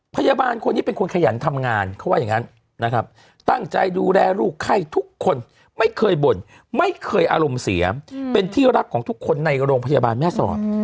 พยาบาลคนนี้เป็นคนขยันทำงานเขาว่าอย่างนั้นนะครับตั้งใจดูแลลูกไข้ทุกคนไม่เคยบ่นไม่เคยอารมณ์เสียเป็นที่รักของทุกคนในโรงพยาบาลแม่สอด